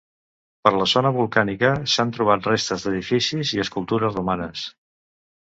Per la zona volcànica s'han trobat restes d'edificis i escultures romanes.